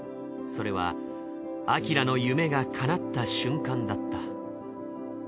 それはＡＫＩＲＡの夢がかなった瞬間だった。